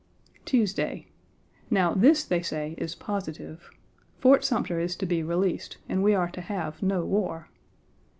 Tuesday. Now this, they say, is positive: "Fort Sumter is to be released and we are to have no war."